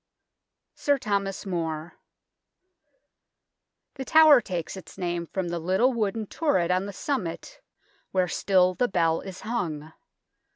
SIR THOMAS MORE The tower takes its name from the little wooden turret on the summit, where still the bell is hung.